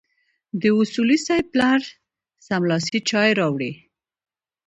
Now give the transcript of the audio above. د اصولي صیب پلار سملاسي چای راوړې.